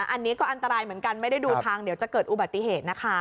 อันนี้ก็อันตรายเหมือนกันไม่ได้ดูทางเดี๋ยวจะเกิดอุบัติเหตุนะคะ